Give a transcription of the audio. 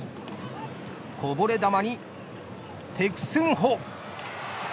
こぼれ球にペク・スンホ。